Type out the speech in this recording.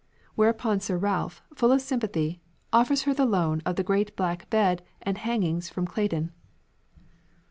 Whereupon Sir Ralph, full of sympathy, "offers her the loan of the great black bed and hangings from Claydon."